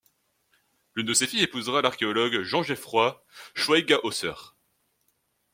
L'une de ses filles épousera l'archéologue Jean Geoffroy Schweighaeuser.